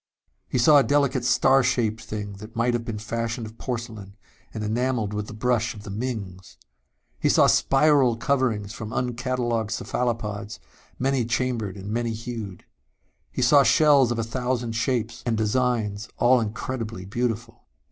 He saw a delicate star shaped thing that might have been fashioned of porcelain and enameled with the brush of the Mings. He saw spiral coverings from uncatalogued cephalopods, many chambered and many hued. He saw shells of a thousand shapes and designs, all incredibly beautiful....